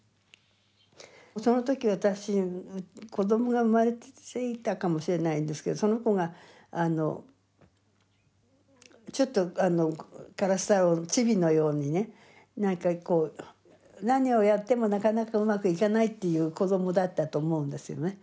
その時私子どもが生まれついたかもしれないんですけどその子があのちょっとあのからすたろうのちびのようにねなんかこう何をやってもなかなかうまくいかないっていう子どもだったと思うんですよね。